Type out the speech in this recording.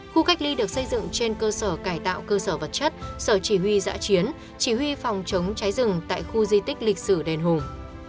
khu cách ly được xây dựng trên cơ sở cải tạo cơ sở vật chất sở chỉ huy giã chiến chỉ huy phòng chống cháy rừng tại khu di tích lịch sử đền hùng